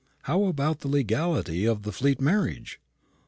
"But how about the legality of the Fleet marriage?"